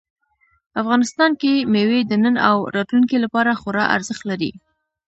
افغانستان کې مېوې د نن او راتلونکي لپاره خورا ارزښت لري.